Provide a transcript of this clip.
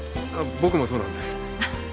僕もそうなんです。